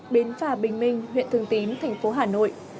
bến phà bình minh huyện thường tín thành phố hà nội